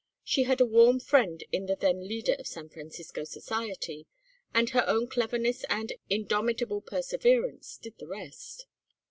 She had a warm friend in the then Leader of San Francisco Society, and her own cleverness and indomitable perseverance did the rest.